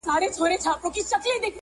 که سبا د طبیعت انسانیت او شرافت